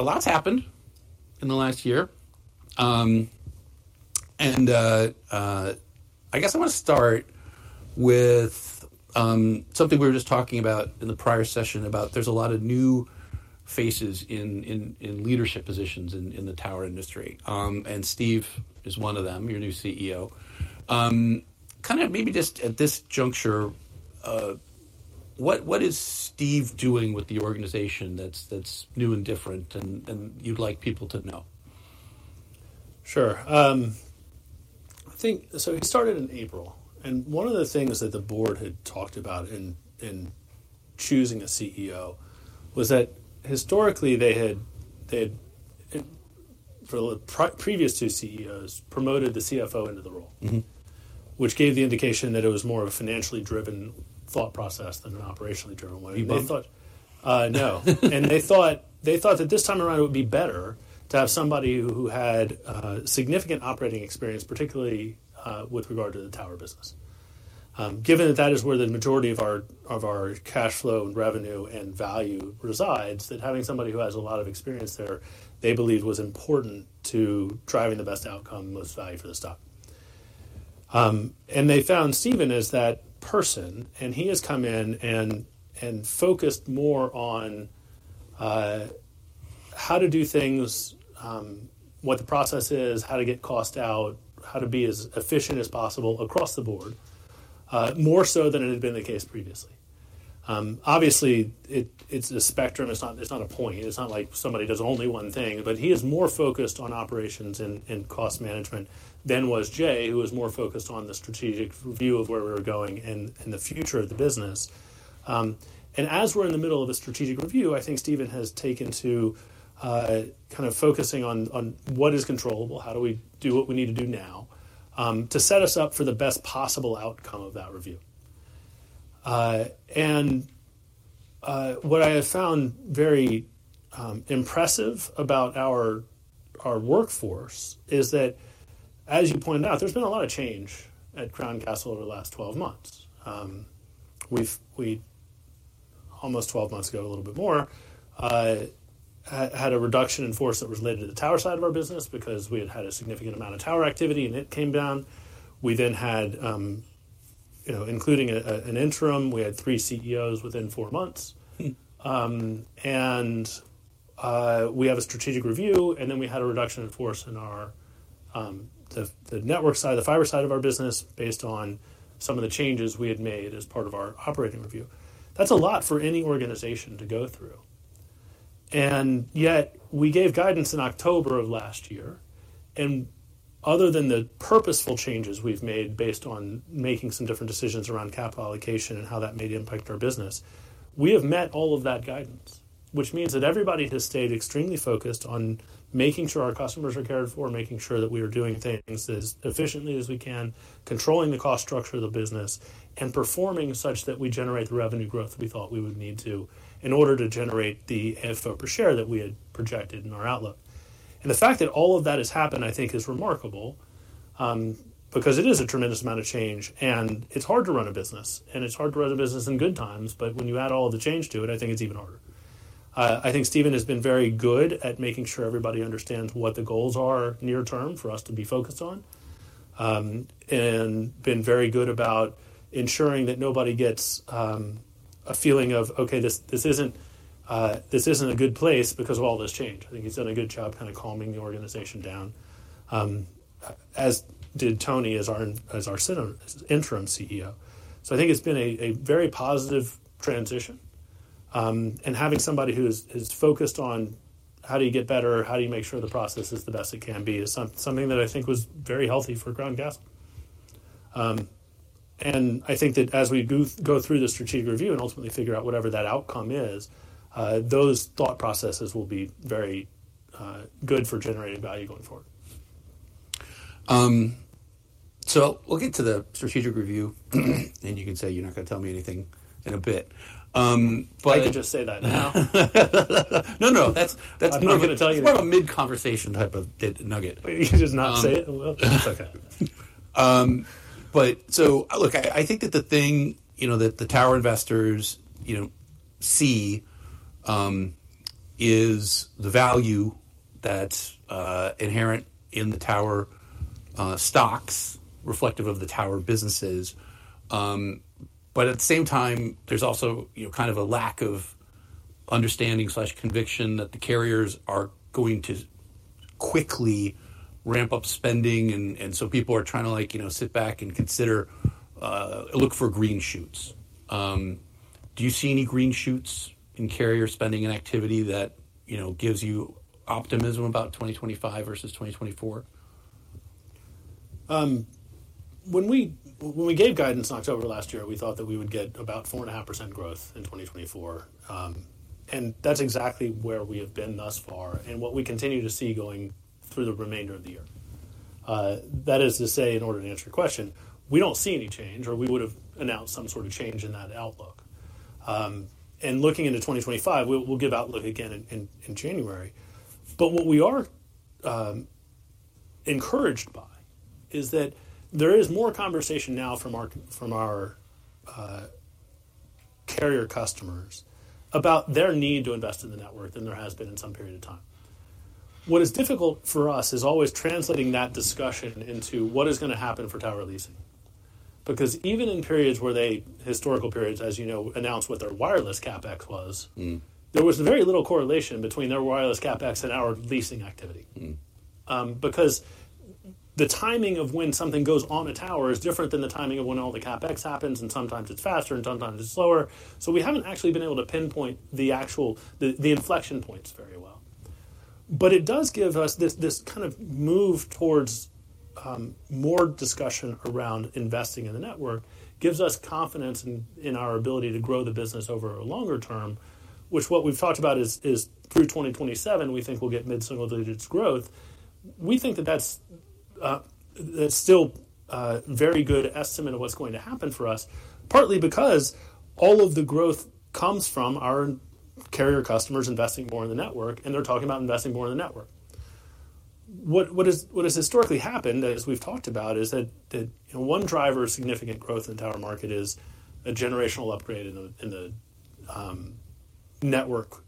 A lot has happened in the last year. I guess I wanna start with something we were just talking about in the prior session, about there's a lot of new faces in leadership positions in the tower industry. Steve is one of them, your new CEO. Kinda maybe just at this juncture, what is Steve doing with the organization that's new and different, and you'd like people to know? Sure. I think, so he started in April, and one of the things that the board had talked about in choosing a CEO was that historically they had for the previous two CEOs, promoted the CFO into the role. Mm-hmm. Which gave the indication that it was more of a financially driven thought process than an operationally driven one. You mean- No. And they thought that this time around it would be better to have somebody who had significant operating experience, particularly with regard to the tower business. Given that that is where the majority of our cash flow, and revenue, and value resides, that having somebody who has a lot of experience there, they believed was important to driving the best outcome, the most value for the stock. And they found Steven is that person, and he has come in and focused more on how to do things, what the process is, how to get cost out, how to be as efficient as possible across the board, more so than it had been the case previously. Obviously it's a spectrum. It's not a point. It's not like somebody does only one thing, but he is more focused on operations and cost management than was Jay, who was more focused on the strategic view of where we were going and the future of the business. And as we're in the middle of a strategic review, I think Steven has taken to kind of focusing on what is controllable, how do we do what we need to do now to set us up for the best possible outcome of that review. And what I have found very impressive about our workforce is that, as you pointed out, there's been a lot of change at Crown Castle over the last twelve months. We, almost twelve months ago, a little bit more, had a reduction in force that was related to the tower side of our business because we had had a significant amount of tower activity and it came down. We then had, you know, including an interim, we had three CEOs within four months. Mm. We have a strategic review, and then we had a reduction in force in our, the network side, the fiber side of our business, based on some of the changes we had made as part of our operating review. That's a lot for any organization to go through, and yet we gave guidance in October of last year, and other than the purposeful changes we've made based on making some different decisions around capital allocation and how that may impact our business, we have met all of that guidance. Which means that everybody has stayed extremely focused on making sure our customers are cared for, making sure that we are doing things as efficiently as we can, controlling the cost structure of the business, and performing such that we generate the revenue growth we thought we would need to in order to generate the FFO per share that we had projected in our outlook. And the fact that all of that has happened, I think is remarkable, because it is a tremendous amount of change, and it's hard to run a business, and it's hard to run a business in good times, but when you add all of the change to it, I think it's even harder. I think Steven has been very good at making sure everybody understands what the goals are near term for us to be focused on, and been very good about ensuring that nobody gets a feeling of, "Okay, this isn't a good place because of all this change." I think he's done a good job kind of calming the organization down, as did Tony, as our interim CEO. I think it's been a very positive transition, and having somebody who is focused on how do you get better, how do you make sure the process is the best it can be, is something that I think was very healthy for Crown Castle. And I think that as we go through the strategic review and ultimately figure out whatever that outcome is, those thought processes will be very good for generating value going forward. We'll get to the strategic review, and you can say you're not gonna tell me anything in a bit, but- I can just say that now. No, no, that's, that's more of a- I'm not gonna tell you.... It's more a mid-conversation type of nugget. You just not say it? Well, it's okay. But so look, I think that the thing, you know, that the tower investors, you know, see is the value that's inherent in the tower stocks, reflective of the tower businesses. But at the same time, there's also, you know, kind of a lack of understanding or conviction that the carriers are going to quickly ramp up spending, and so people are trying to like, you know, sit back and consider, look for green shoots. Do you see any green shoots in carrier spending and activity that, you know, gives you optimism about 2025 versus 2024? When we gave guidance in October last year, we thought that we would get about 4.5% growth in 2024, and that's exactly where we have been thus far and what we continue to see going through the remainder of the year. That is to say, in order to answer your question, we don't see any change, or we would've announced some sort of change in that outlook, and looking into 2025, we'll give outlook again in January, but what we are encouraged by is that there is more conversation now from our carrier customers about their need to invest in the network than there has been in some period of time. What is difficult for us is always translating that discussion into what is going to happen for tower leasing. Because even in periods where they, historical periods, as you know, announce what their wireless CapEx was- Mm-hmm. There was very little correlation between their wireless CapEx and our leasing activity. Mm-hmm. Because the timing of when something goes on a tower is different than the timing of when all the CapEx happens, and sometimes it's faster and sometimes it's slower. So we haven't actually been able to pinpoint the actual inflection points very well. But it does give us this kind of move towards more discussion around investing in the network, gives us confidence in our ability to grow the business over a longer term, which is what we've talked about is through 2027, we think we'll get mid-single digits growth. We think that that's it's still a very good estimate of what's going to happen for us, partly because all of the growth comes from our carrier customers investing more in the network, and they're talking about investing more in the network. What has historically happened, as we've talked about, is that one driver of significant growth in the tower market is a generational upgrade in the network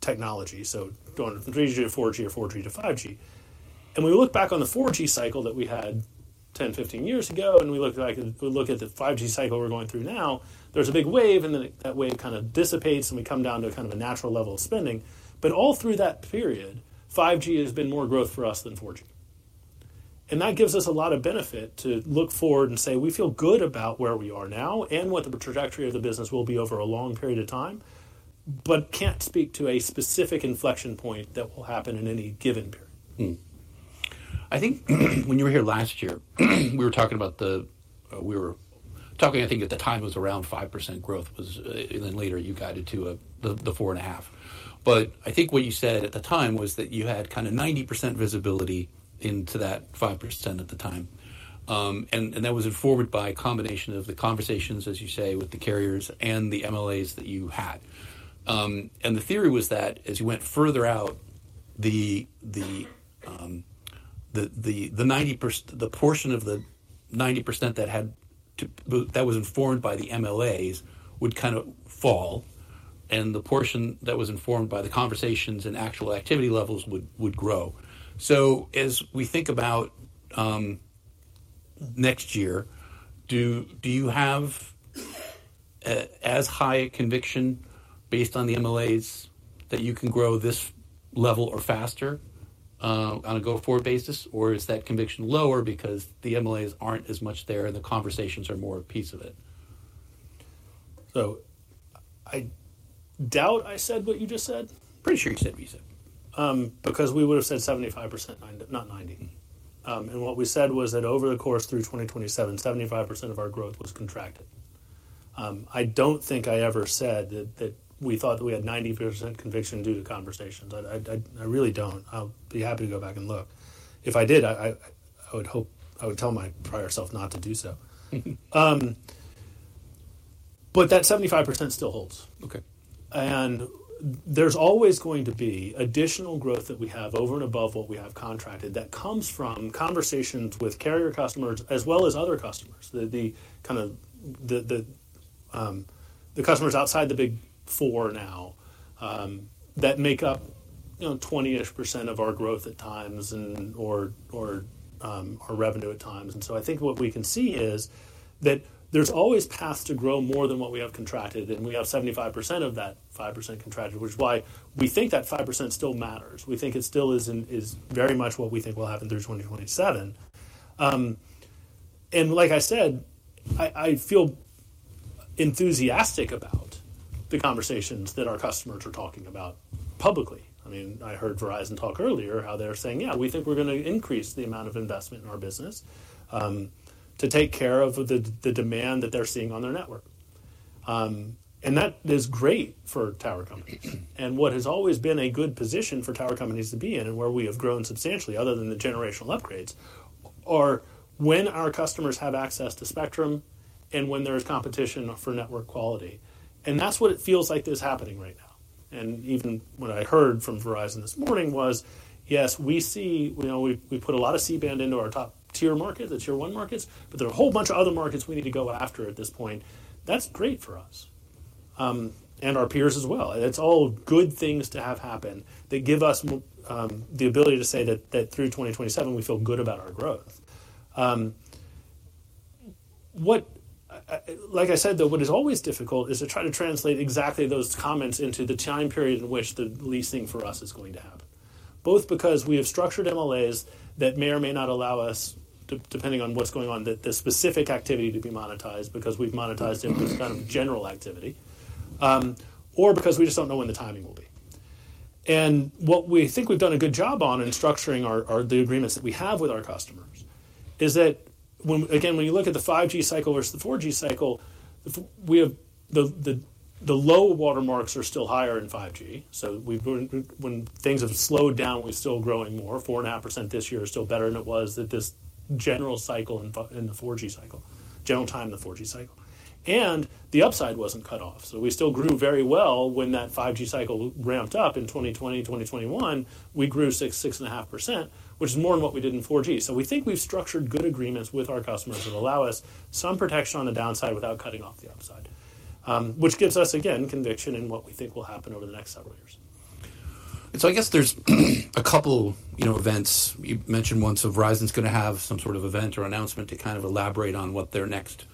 technology. So going from 3G-4G or 4G-5G. We look back on the 4G cycle that we had 10, 15 years ago, and we look at the 5G cycle we're going through now. There's a big wave, and then that wave kind of dissipates, and we come down to kind of a natural level of spending. But all through that period, 5G has been more growth for us than 4G. And that gives us a lot of benefit to look forward and say we feel good about where we are now and what the trajectory of the business will be over a long period of time, but can't speak to a specific inflection point that will happen in any given period. Mm-hmm. I think when you were here last year, we were talking, I think, at the time was around 5% growth, and then later you guided to the 4.5%. But I think what you said at the time was that you had kinda 90% visibility into that 5% at the time. And that was informed by a combination of the conversations, as you say, with the carriers and the MLAs that you had. And the theory was that as you went further out, the 90%, the portion of the 90% that was informed by the MLAs would kinda fall, and the portion that was informed by the conversations and actual activity levels would grow. So as we think about next year, do you have as high a conviction based on the MLAs, that you can grow this level or faster on a go-forward basis? Or is that conviction lower because the MLAs aren't as much there, and the conversations are more a piece of it? So I doubt I said what you just said. Pretty sure you said what you said. Because we would have said 75%, 90%, not 90%. And what we said was that over the course through 2027, 75% of our growth was contracted. I don't think I ever said that we thought that we had 90% conviction due to conversations. I really don't. I'll be happy to go back and look. If I did, I would hope. I would tell my prior self not to do so. But that 75% still holds. Okay. And there's always going to be additional growth that we have over and above what we have contracted that comes from conversations with carrier customers as well as other customers. The kind of customers outside the Big Four now that make up, you know, twenty-ish% of our growth at times and, or, our revenue at times. And so I think what we can see is that there's always paths to grow more than what we have contracted, and we have 75% of that 5% contracted, which is why we think that 5% still matters. We think it still is very much what we think will happen through 2027. And like I said, I feel enthusiastic about the conversations that our customers are talking about publicly. I mean, I heard Verizon talk earlier, how they're saying: Yeah, we think we're gonna increase the amount of investment in our business, to take care of the demand that they're seeing on their network. And that is great for tower companies. And what has always been a good position for tower companies to be in and where we have grown substantially, other than the generational upgrades, are when our customers have access to spectrum and when there is competition for network quality. And that's what it feels like is happening right now. And even what I heard from Verizon this morning was, "Yes, we see... You know, we put a lot of C-band into our top-tier markets, the Tier One markets, but there are a whole bunch of other markets we need to go after at this point." That's great for us, and our peers as well. It's all good things to have happen that give us the ability to say that through twenty twenty-seven we feel good about our growth. Like I said, though, what is always difficult is to try to translate exactly those comments into the time period in which the leasing for us is going to happen. Both because we have structured MLAs that may or may not allow us, depending on what's going on, that the specific activity to be monetized, because we've monetized it as kind of general activity, or because we just don't know when the timing will be, and what we think we've done a good job on in structuring our the agreements that we have with our customers, is that when... Again, when you look at the 5G cycle versus the 4G cycle, we have the low watermarks are still higher in 5G, so we've been, when things have slowed down, we're still growing more. 4.5% this year is still better than it was at this general cycle in the 4G cycle, general time in the 4G cycle. The upside wasn't cut off, so we still grew very well when that 5G cycle ramped up in 2020, 2021. We grew 6%, 6.5%, which is more than what we did in 4G. So we think we've structured good agreements with our customers that allow us some protection on the downside without cutting off the upside. Which gives us, again, conviction in what we think will happen over the next several years. ... And so I guess there's a couple, you know, events. You mentioned one, so Verizon's gonna have some sort of event or announcement to kind of elaborate on what their next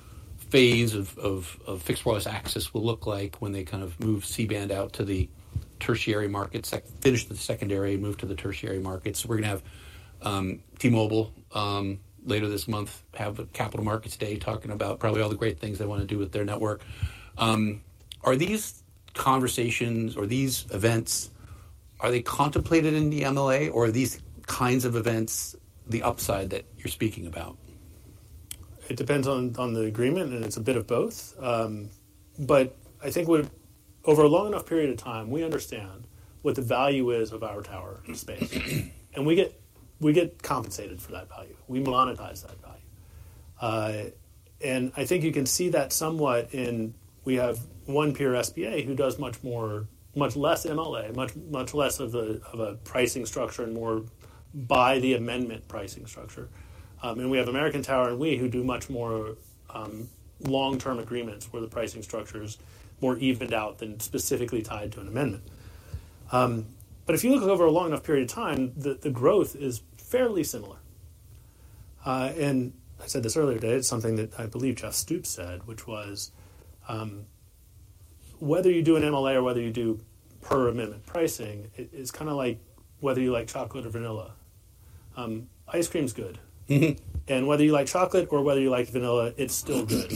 phase of fixed wireless access will look like when they kind of move C-band out to the tertiary markets, finish the secondary, move to the tertiary markets. We're gonna have T-Mobile later this month have a Capital Markets Day talking about probably all the great things they wanna do with their network. Are these conversations or these events contemplated in the MLA, or are these kinds of events the upside that you're speaking about? It depends on the agreement, and it's a bit of both. But I think over a long enough period of time, we understand what the value is of our tower space, and we get compensated for that value. We monetize that value. And I think you can see that somewhat in, we have one peer, SBA, who does much less MLA, much less of a pricing structure and more by the amendment pricing structure. And we have American Tower and we who do much more long-term agreements, where the pricing structure's more evened out than specifically tied to an amendment. But if you look over a long enough period of time, the growth is fairly similar. and I said this earlier today, it's something that I believe Jeff Stoops said, which was, whether you do an MLA or whether you do per amendment pricing, it's kinda like whether you like chocolate or vanilla. Ice cream's good. Mm-hmm. And whether you like chocolate or whether you like vanilla, it's still good.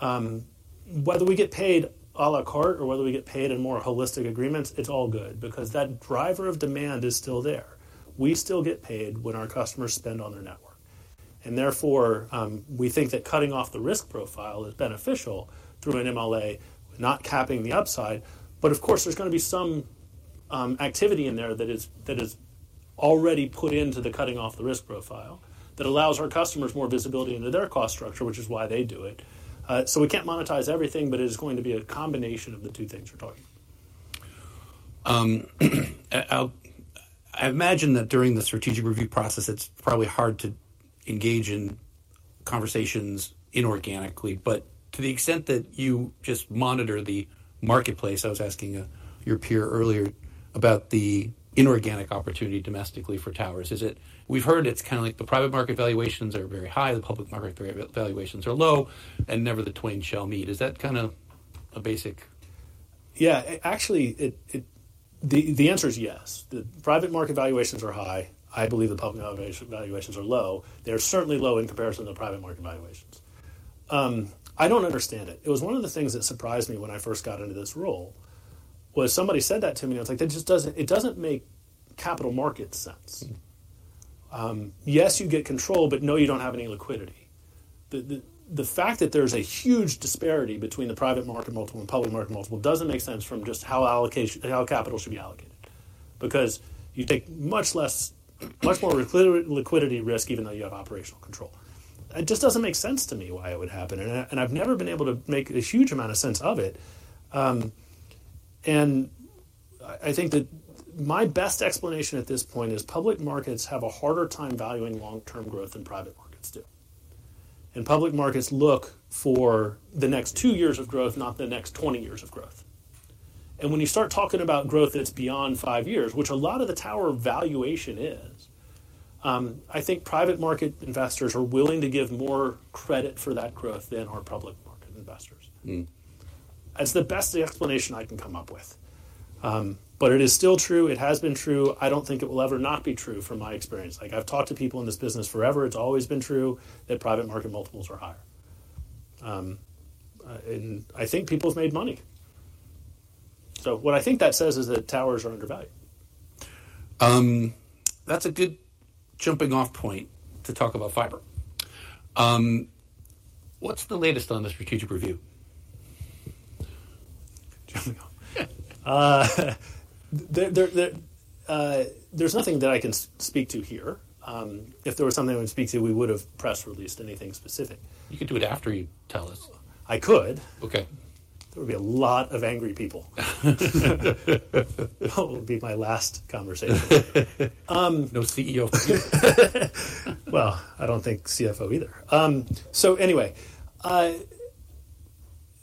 Whether we get paid à la carte or whether we get paid in more holistic agreements, it's all good because that driver of demand is still there. We still get paid when our customers spend on their network, and therefore, we think that cutting off the risk profile is beneficial through an MLA, not capping the upside. But of course, there's gonna be some activity in there that is already put into the cutting off the risk profile that allows our customers more visibility into their cost structure, which is why they do it. So we can't monetize everything, but it is going to be a combination of the two things we're talking about. I imagine that during the strategic review process, it's probably hard to engage in conversations inorganically, but to the extent that you just monitor the marketplace, I was asking your peer earlier about the inorganic opportunity domestically for towers. Is it—we've heard it's kinda like the private market valuations are very high, the public market valuations are low, and never the twain shall meet. Is that kinda a basic- Yeah, actually, the answer is yes. The private market valuations are high. I believe the public valuations are low. They're certainly low in comparison to the private market valuations. I don't understand it. It was one of the things that surprised me when I first got into this role, was somebody said that to me, and I was like, that just doesn't make capital market sense. Yes, you get control, but no, you don't have any liquidity. The fact that there's a huge disparity between the private market multiple and public market multiple doesn't make sense from just how capital should be allocated. Because you take much more liquidity risk, even though you have operational control. It just doesn't make sense to me why it would happen, and I've never been able to make a huge amount of sense of it. I think that my best explanation at this point is public markets have a harder time valuing long-term growth than private markets do, and public markets look for the next two years of growth, not the next twenty years of growth. And when you start talking about growth that's beyond five years, which a lot of the tower valuation is, I think private market investors are willing to give more credit for that growth than our public market investors. Mm. That's the best explanation I can come up with. But it is still true. It has been true. I don't think it will ever not be true, from my experience. Like, I've talked to people in this business forever, it's always been true that private market multiples are higher. And I think people's made money. So what I think that says is that towers are undervalued. That's a good jumping-off point to talk about fiber. What's the latest on the strategic review? There's nothing that I can speak to here. If there was something I would speak to, we would've press released anything specific. You could do it after you tell us. I could. Okay. There would be a lot of angry people. It would be my last conversation. No CEO. I don't think CFO either. So anyway,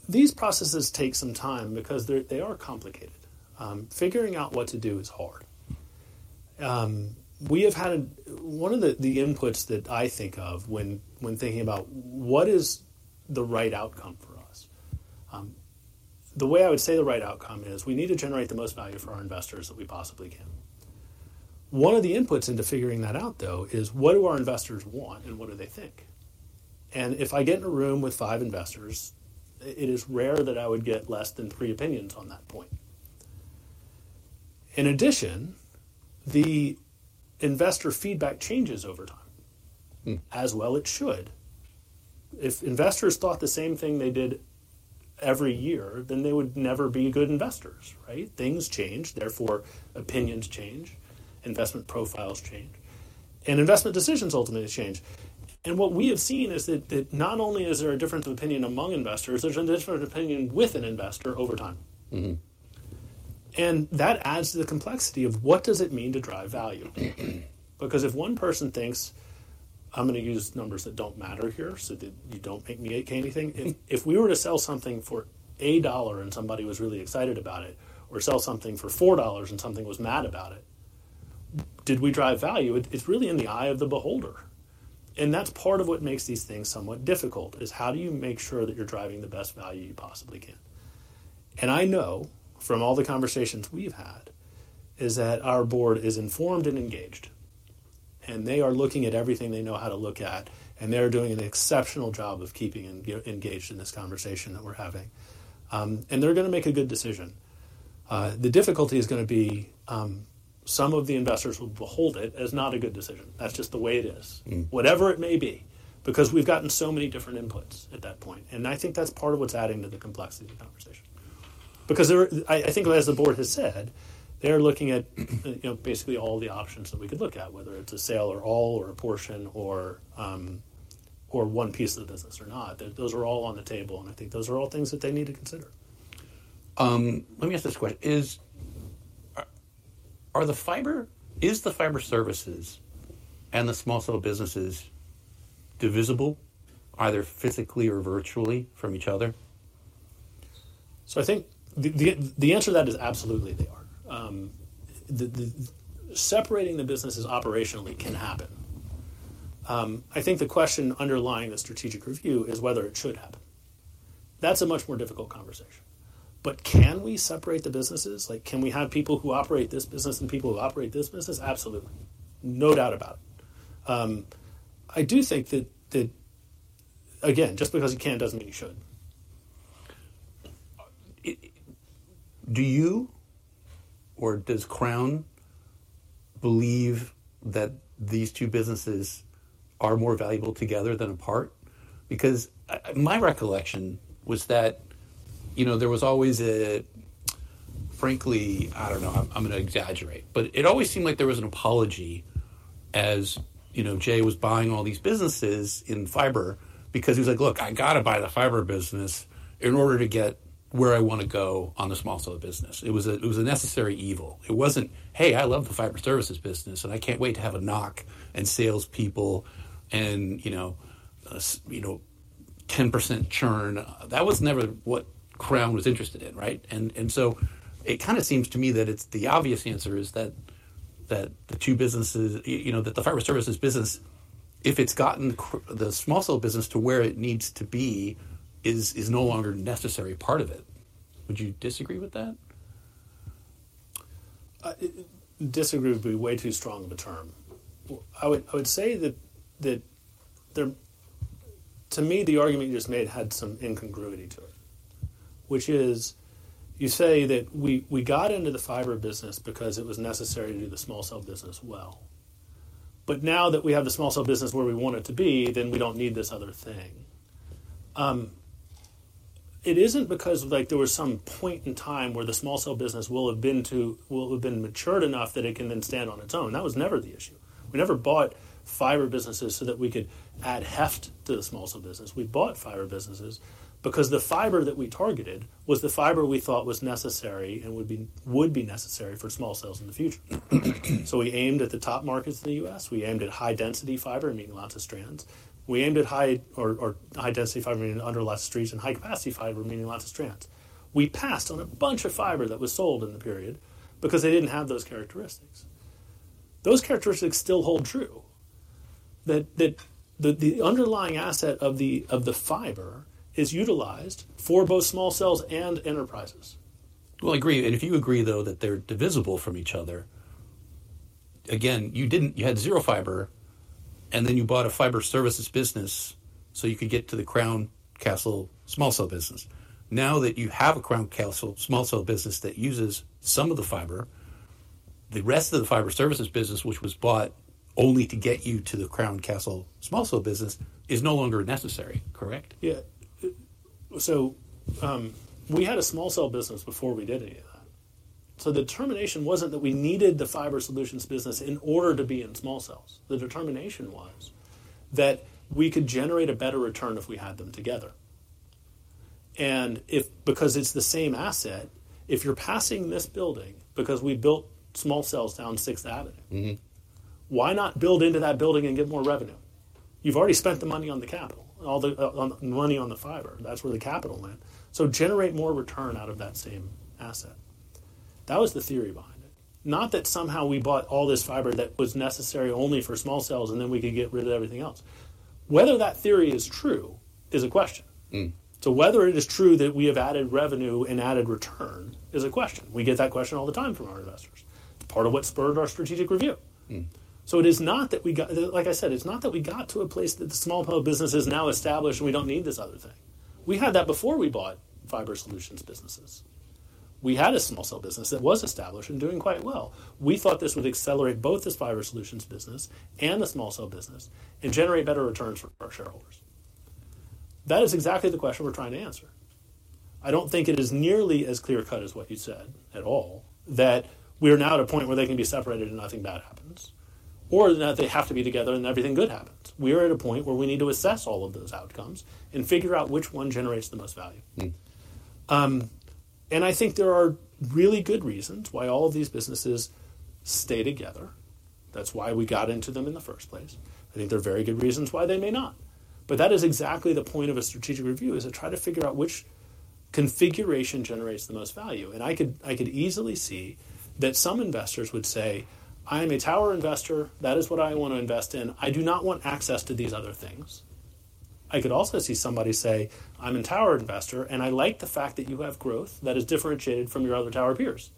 these processes take some time because they're complicated. Figuring out what to do is hard. We have had one of the inputs that I think of when thinking about what is the right outcome for us. The way I would say the right outcome is, we need to generate the most value for our investors that we possibly can. One of the inputs into figuring that out, though, is what do our investors want, and what do they think? If I get in a room with five investors, it is rare that I would get less than three opinions on that point. In addition, the investor feedback changes over time- Mm... as well it should. If investors thought the same thing they did every year, then they would never be good investors, right? Things change, therefore, opinions change, investment profiles change, and investment decisions ultimately change. And what we have seen is that not only is there a difference of opinion among investors, there's a difference of opinion with an investor over time. Mm-hmm. That adds to the complexity of what does it mean to drive value? Because if one person thinks I'm gonna use numbers that don't matter here, so that you don't make me say anything. If we were to sell something for a dollar and somebody was really excited about it, or sell something for four dollars and somebody was mad about it, did we drive value? It's really in the eye of the beholder, and that's part of what makes these things somewhat difficult, is how do you make sure that you're driving the best value you possibly can? I know from all the conversations we've had, is that our board is informed and engaged, and they are looking at everything they know how to look at, and they're doing an exceptional job of keeping engaged in this conversation that we're having. And they're gonna make a good decision. The difficulty is gonna be, some of the investors will behold it as not a good decision. That's just the way it is. Mm. Whatever it may be, because we've gotten so many different inputs at that point, and I think that's part of what's adding to the complexity of the conversation. Because there are. I think as the board has said, they're looking at, you know, basically all the options that we could look at, whether it's a sale or all or a portion or one piece of the business or not. Those are all on the table, and I think those are all things that they need to consider. Let me ask this question: Are the fiber services and the small cell businesses divisible, either physically or virtually from each other? So I think the answer to that is absolutely they are. Separating the businesses operationally can happen. I think the question underlying the strategic review is whether it should happen. That's a much more difficult conversation. But can we separate the businesses? Like, can we have people who operate this business and people who operate this business? Absolutely. No doubt about it. I do think that again, just because you can, doesn't mean you should. Do you or does Crown believe that these two businesses are more valuable together than apart? Because my recollection was that, you know, there was always a, frankly, I don't know, I'm gonna exaggerate, but it always seemed like there was an apology, as, you know, Jay was buying all these businesses in fiber because he was like: "Look, I gotta buy the fiber business in order to get where I wanna go on the small cell business." It was a, it was a necessary evil. It wasn't, "Hey, I love the fiber services business, and I can't wait to have a NOC and salespeople and, you know, 10% churn." That was never what Crown was interested in, right? It kinda seems to me that it's the obvious answer is that the two businesses, you know, that the fiber services business, if it's gotten the small cell business to where it needs to be, is no longer a necessary part of it. Would you disagree with that? Disagree would be way too strong of a term. I would say that. To me, the argument you just made had some incongruity to it, which is, you say that we got into the fiber business because it was necessary to do the small cell business well. But now that we have the small cell business where we want it to be, then we don't need this other thing. It isn't because, like, there was some point in time where the small cell business will have been matured enough that it can then stand on its own. That was never the issue. We never bought fiber businesses so that we could add heft to the small cell business. We bought fiber businesses because the fiber that we targeted was the fiber we thought was necessary and would be necessary for small cells in the future. So we aimed at the top markets in the U.S., we aimed at high-density fiber, meaning lots of strands. We aimed at high-density fiber, meaning under lots of streets, and high-capacity fiber, meaning lots of strands. We passed on a bunch of fiber that was sold in the period because they didn't have those characteristics. Those characteristics still hold true, that the underlying asset of the fiber is utilized for both small cells and enterprises. Well, I agree, and if you agree, though, that they're divisible from each other, again, you didn't... You had zero fiber, and then you bought a fiber services business so you could get to the Crown Castle small cell business. Now that you have a Crown Castle small cell business that uses some of the fiber, the rest of the fiber services business, which was bought only to get you to the Crown Castle small cell business, is no longer necessary, correct? Yeah. So, we had a small cell business before we did any of that. So the determination wasn't that we needed the fiber solutions business in order to be in small cells. The determination was that we could generate a better return if we had them together. And if, because it's the same asset, if you're passing this building, because we built small cells down Sixth Avenue- Mm-hmm. Why not build into that building and get more revenue? You've already spent the money on the capital, all the money on the fiber. That's where the capital went. So generate more return out of that same asset. That was the theory behind it. Not that somehow we bought all this fiber that was necessary only for small cells, and then we could get rid of everything else. Whether that theory is true is a question. Mm. So whether it is true that we have added revenue and added return is a question. We get that question all the time from our investors. Part of what spurred our strategic review. Mm. Like I said, it's not that we got to a place that the small cell business is now established and we don't need this other thing. We had that before we bought fiber solutions businesses. We had a small cell business that was established and doing quite well. We thought this would accelerate both this fiber solutions business and the small cell business, and generate better returns for our shareholders. That is exactly the question we're trying to answer. I don't think it is nearly as clear-cut as what you said, at all, that we are now at a point where they can be separated and nothing bad happens, or that they have to be together and everything good happens. We are at a point where we need to assess all of those outcomes and figure out which one generates the most value. Mm.... and I think there are really good reasons why all of these businesses stay together. That's why we got into them in the first place. I think there are very good reasons why they may not, but that is exactly the point of a strategic review, is to try to figure out which configuration generates the most value. And I could easily see that some investors would say, "I'm a tower investor. That is what I want to invest in. I do not want access to these other things." I could also see somebody say, "I'm a tower investor, and I like the fact that you have growth that is differentiated from your other tower peers."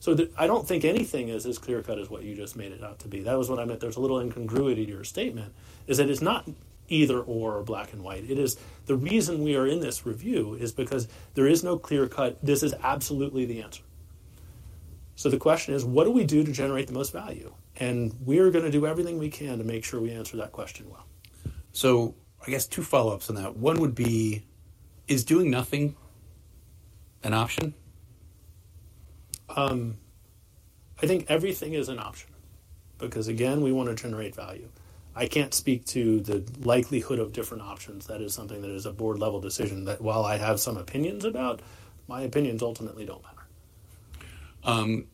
So I don't think anything is as clear-cut as what you just made it out to be. That was what I meant. There's a little incongruity to your statement in that it's not either/or, black and white. It is the reason we are in this review because there is no clear-cut "This is absolutely the answer." So the question is what do we do to generate the most value, and we are gonna do everything we can to make sure we answer that question well. So I guess two follow-ups on that. One would be: Is doing nothing an option? I think everything is an option because, again, we want to generate value. I can't speak to the likelihood of different options. That is something that is a board-level decision that while I have some opinions about, my opinions ultimately don't matter.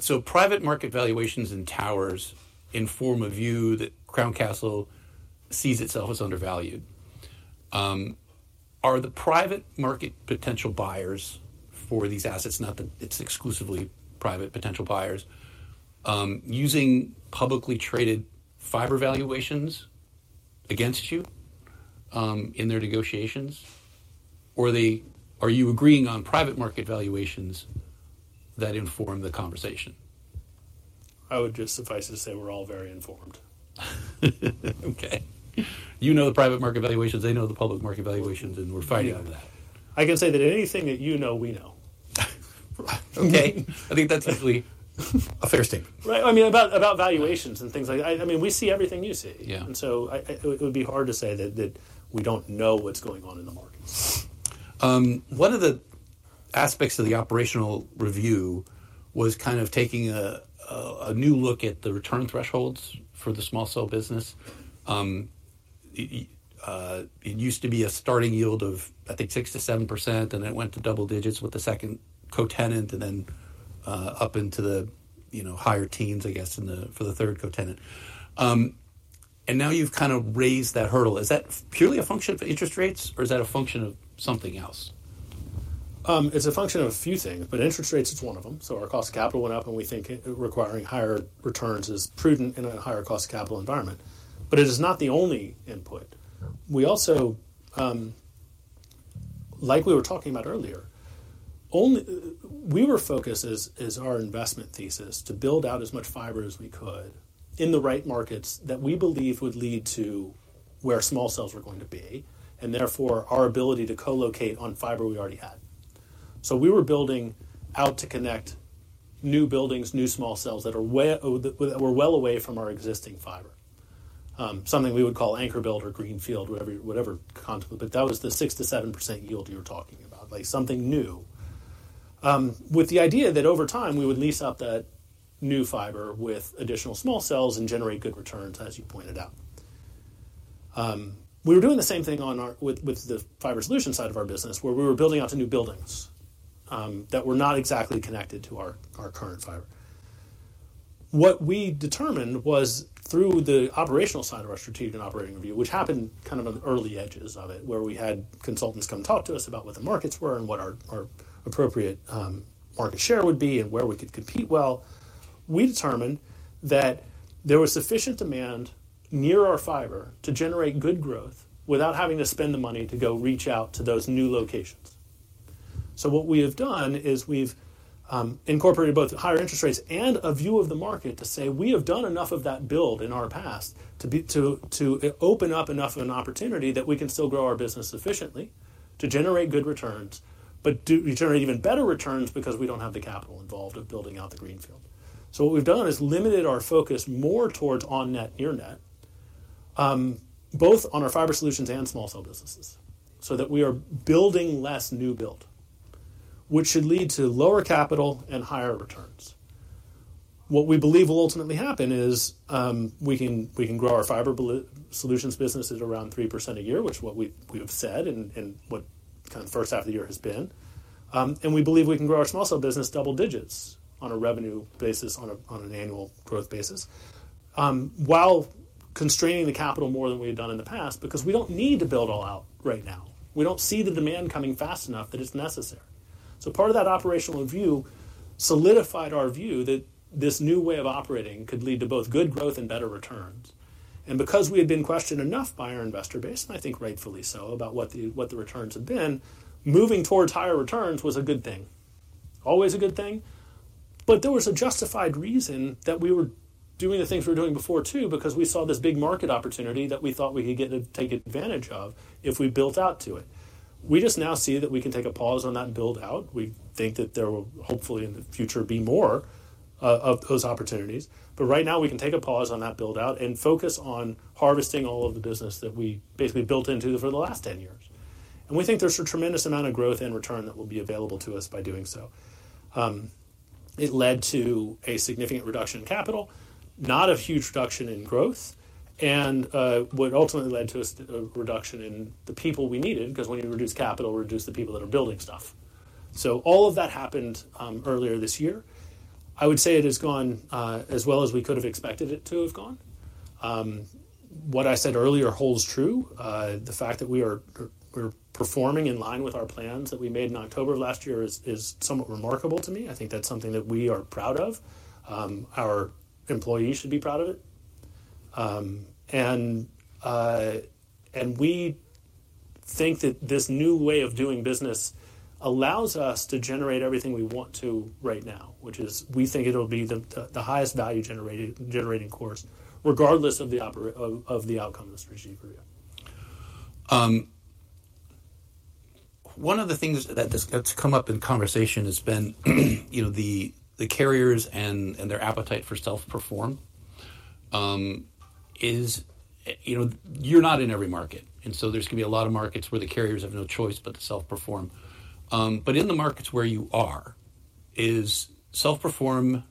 So private market valuations and towers inform a view that Crown Castle sees itself as undervalued. Are the private market potential buyers for these assets, not that it's exclusively private potential buyers, using publicly traded fiber valuations against you, in their negotiations? Or are you agreeing on private market valuations that inform the conversation? Suffice it to say we're all very informed. Okay. You know the private market valuations, they know the public market valuations, and we're fighting on that. I can say that anything that you know, we know. Okay. I think that's usually a fair statement. Right. I mean, about valuations and things like... I mean, we see everything you see. Yeah. It would be hard to say that we don't know what's going on in the market. One of the aspects of the operational review was kind of taking a new look at the return thresholds for the small cell business. It used to be a starting yield of, I think, 6%-7%, and it went to double digits with the second co-tenant and then up into the, you know, higher teens, I guess, for the third co-tenant. And now you've kind of raised that hurdle. Is that purely a function of interest rates, or is that a function of something else? It's a function of a few things, but interest rates is one of them. So our cost of capital went up, and we think it requiring higher returns is prudent in a higher cost capital environment. But it is not the only input. Yeah. We also, like we were talking about earlier, We were focused as our investment thesis to build out as much fiber as we could in the right markets that we believe would lead to where small cells were going to be, and therefore, our ability to co-locate on fiber we already had. So we were building out to connect new buildings, new small cells that were well away from our existing fiber. Something we would call anchor build or greenfield, whatever conduit. But that was the 6%-7% yield you were talking about, like something new. We were doing the same thing on our... with the fiber solution side of our business, where we were building out to new buildings, that were not exactly connected to our current fiber. What we determined was through the operational side of our strategic and operating review, which happened kind of on the early edges of it, where we had consultants come talk to us about what the markets were and what our appropriate market share would be and where we could compete well. We determined that there was sufficient demand near our fiber to generate good growth without having to spend the money to go reach out to those new locations. So what we have done is we've incorporated both higher interest rates and a view of the market to say we have done enough of that build in our past to open up enough of an opportunity that we can still grow our business efficiently, to generate good returns, but do generate even better returns because we don't have the capital involved of building out the greenfield. So what we've done is limited our focus more towards on-net, near-net, both on our fiber solutions and small cell businesses, so that we are building less new build, which should lead to lower capital and higher returns. What we believe will ultimately happen is, we can grow our fiber solutions business at around 3% a year, which is what we have said and what the first half of the year has been. And we believe we can grow our small cell business double digits on a revenue basis, on an annual growth basis, while constraining the capital more than we had done in the past, because we don't need to build all out right now. We don't see the demand coming fast enough that it's necessary. Part of that operational review solidified our view that this new way of operating could lead to both good growth and better returns. And because we had been questioned enough by our investor base, and I think rightfully so, about what the returns have been, moving towards higher returns was a good thing. Always a good thing, but there was a justified reason that we were doing the things we were doing before too, because we saw this big market opportunity that we thought we could get to take advantage of if we built out to it. We just now see that we can take a pause on that build-out. We think that there will, hopefully, in the future, be more of those opportunities, but right now we can take a pause on that build-out and focus on harvesting all of the business that we basically built into for the last 10 years. And we think there's a tremendous amount of growth and return that will be available to us by doing so. It led to a significant reduction in capital, not a huge reduction in growth, and what ultimately led to a reduction in the people we needed, because when you reduce capital, we reduce the people that are building stuff. So all of that happened earlier this year. I would say it has gone as well as we could have expected it to have gone. What I said earlier holds true. The fact that we are, we're performing in line with our plans that we made in October of last year is somewhat remarkable to me. I think that's something that we are proud of. Our employees should be proud of it. We think that this new way of doing business allows us to generate everything we want to right now, which is we think it'll be the highest value generating course, regardless of the outcome of the strategic review. One of the things that has, that's come up in conversation has been, you know, the carriers and their appetite for self-perform. Is, you know, you're not in every market, and so there's gonna be a lot of markets where the carriers have no choice but to self-perform, but in the markets where you are, is self-perform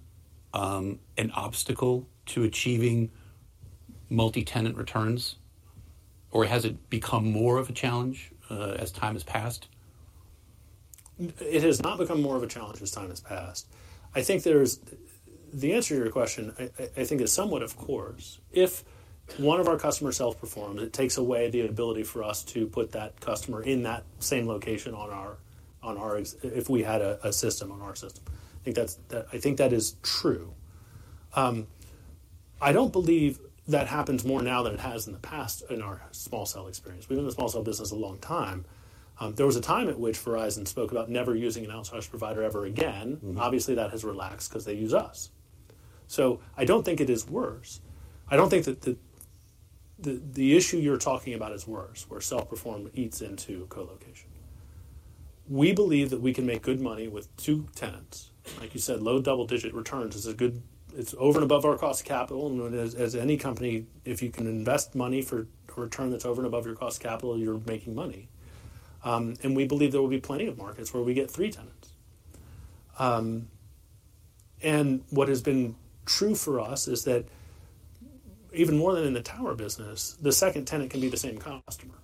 an obstacle to achieving multi-tenant returns, or has it become more of a challenge as time has passed? It has not become more of a challenge as time has passed. I think the answer to your question is somewhat, of course, if one of our customers self-performs, it takes away the ability for us to put that customer in that same location on our existing system. I think that is true. I don't believe that happens more now than it has in the past in our small cell experience. We've been in the small cell business a long time. There was a time at which Verizon spoke about never using an outsourced provider ever again. Mm-hmm. Obviously, that has relaxed because they use us, so I don't think it is worse. I don't think that the issue you're talking about is worse, where self-perform eats into colocation. We believe that we can make good money with two tenants. Like you said, low double-digit returns is a good... It's over and above our cost of capital. And as any company, if you can invest money for a return that's over and above your cost of capital, you're making money, and we believe there will be plenty of markets where we get three tenants, and what has been true for us is that even more than in the tower business, the second tenant can be the same customer.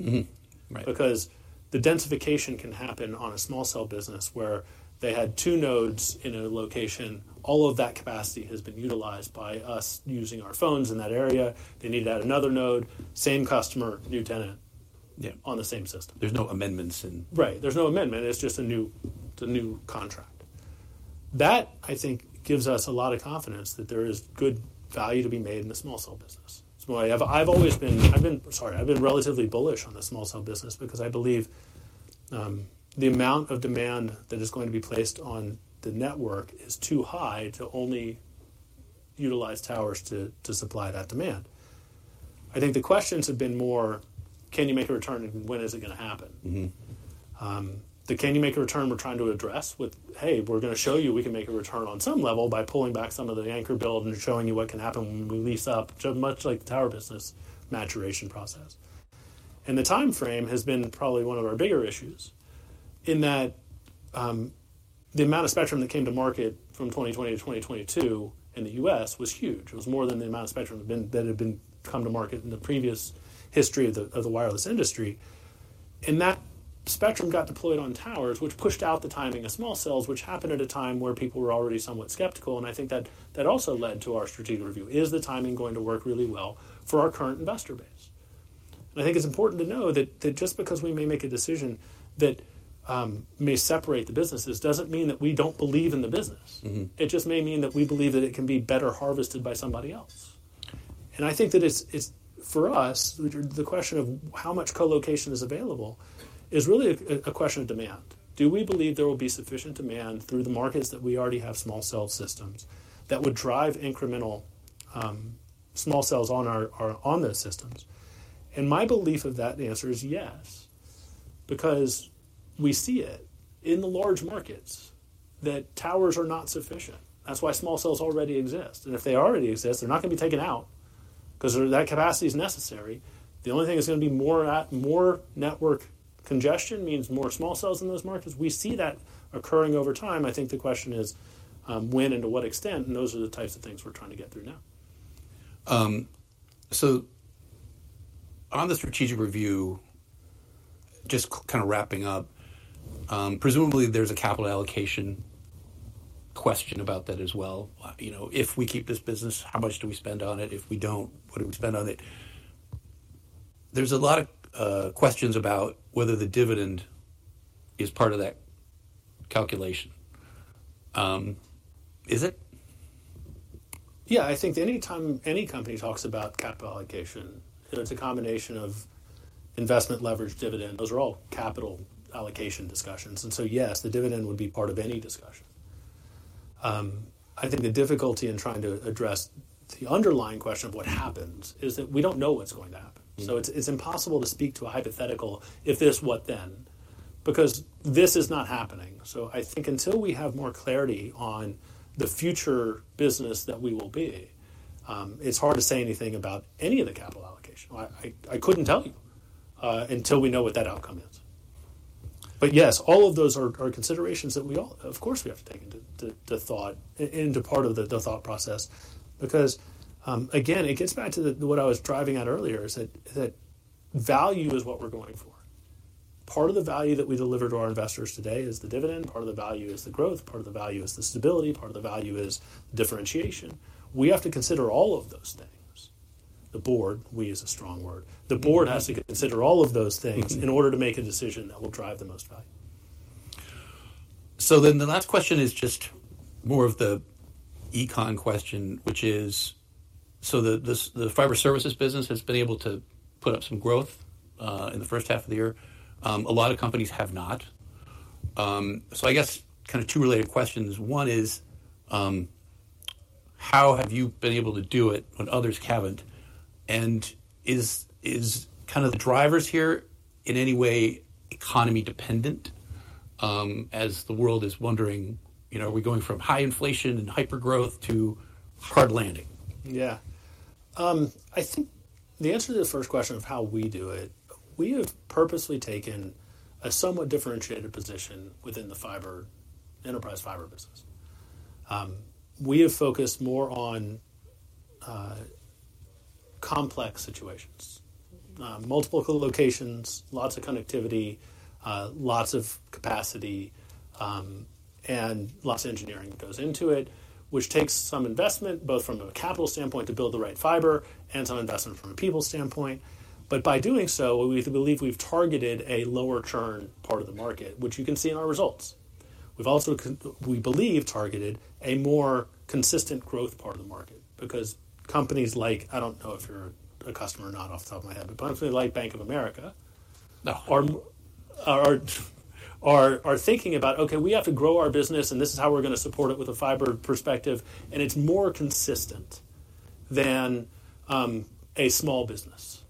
Mm-hmm. Right. Because the densification can happen on a small cell business where they had two nodes in a location, all of that capacity has been utilized by us using our phones in that area. They need to add another node, same customer, new tenant- Yeah... on the same system. There's no amendments in. Right, there's no amendment. It's just a new contract. That, I think, gives us a lot of confidence that there is good value to be made in the small cell business. So I've always been, sorry, relatively bullish on the small cell business because I believe the amount of demand that is going to be placed on the network is too high to only utilize towers to supply that demand. I think the questions have been more, Can you make a return, and when is it gonna happen? Mm-hmm. The "can you make a return" we're trying to address with, "Hey, we're gonna show you we can make a return on some level by pulling back some of the anchor build and showing you what can happen when we lease up," so much like the tower business maturation process. The timeframe has been probably one of our bigger issues, in that, the amount of spectrum that came to market from 2020 to 2022 in the U.S. was huge. It was more than the amount of spectrum that had come to market in the previous history of the wireless industry. That spectrum got deployed on towers, which pushed out the timing of small cells, which happened at a time where people were already somewhat skeptical, and I think that also led to our strategic review. Is the timing going to work really well for our current investor base? I think it's important to know that, that just because we may make a decision that, may separate the businesses, doesn't mean that we don't believe in the business. Mm-hmm. It just may mean that we believe that it can be better harvested by somebody else. And I think that it's... For us, the question of how much colocation is available is really a question of demand. Do we believe there will be sufficient demand through the markets that we already have small cell systems, that would drive incremental small cells on our, on those systems? And my belief of that, the answer is yes, because we see it in the large markets, that towers are not sufficient. That's why small cells already exist, and if they already exist, they're not gonna be taken out because that capacity is necessary. The only thing that's gonna be more at, more network congestion, means more small cells in those markets. We see that occurring over time. I think the question is, when and to what extent, and those are the types of things we're trying to get through now. So on the strategic review, just kind of wrapping up, presumably there's a capital allocation question about that as well. You know, if we keep this business, how much do we spend on it? If we don't, what do we spend on it? There's a lot of questions about whether the dividend is part of that calculation. Is it? Yeah, I think anytime any company talks about capital allocation, you know, it's a combination of investment, leverage, dividend. Those are all capital allocation discussions, and so yes, the dividend would be part of any discussion. I think the difficulty in trying to address the underlying question of what happens, is that we don't know what's going to happen. Mm. It's impossible to speak to a hypothetical, if this, what then? Because this is not happening. I think until we have more clarity on the future business that we will be, it's hard to say anything about any of the capital allocation. I couldn't tell you until we know what that outcome is. But yes, all of those are considerations that we all of course have to take into the thought process. Because again, it gets back to the what I was driving at earlier, is that value is what we're going for. Part of the value that we deliver to our investors today is the dividend, part of the value is the growth, part of the value is the stability, part of the value is differentiation. We have to consider all of those things. The board, we use a strong word. The board has to consider all of those things- Mm-hmm. In order to make a decision that will drive the most value. So then the last question is just more of the econ question, which is: so the fiber services business has been able to put up some growth in the first half of the year. A lot of companies have not. So I guess kind of two related questions. One is, how have you been able to do it when others haven't? And is kind of the drivers here in any way economy-dependent, as the world is wondering, you know, are we going from high inflation and hypergrowth to hard landing? Yeah. I think the answer to the first question of how we do it, we have purposely taken a somewhat differentiated position within the fiber, enterprise fiber business. We have focused more on complex situations, multiple colocations, lots of connectivity, lots of capacity, and lots of engineering that goes into it, which takes some investment, both from a capital standpoint, to build the right fiber, and some investment from a people standpoint. But by doing so, we believe we've targeted a lower-churn part of the market, which you can see in our results. We've also we believe, targeted a more consistent growth part of the market, because companies like, I don't know if you're a customer or not, off the top of my head, but probably like Bank of America- No... are thinking about, "Okay, we have to grow our business, and this is how we're gonna support it with a fiber perspective." And it's more consistent than a small business.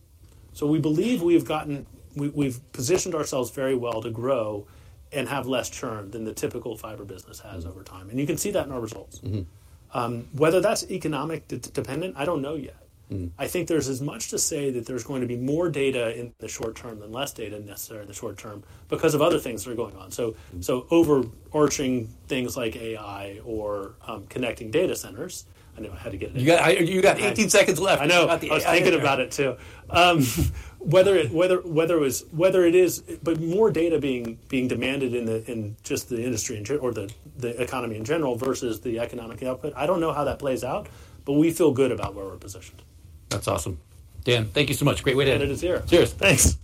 So we believe we've positioned ourselves very well to grow and have less churn than the typical fiber business has over time, and you can see that in our results. Mm-hmm. Whether that's economically dependent, I don't know yet. Mm. I think there's as much to say that there's going to be more data in the short term than less data necessarily in the short term because of other things that are going on. So, overarching things like AI or connecting data centers. I know I had to get an AI. You got eighteen seconds left. I know. About the AI. I was thinking about it, too. Whether it is, but more data being demanded in just the industry in general or the economy in general versus the economic output, I don't know how that plays out, but we feel good about where we're positioned. That's awesome. Dan, thank you so much. Great way to end it. Cheers. Cheers. Thanks.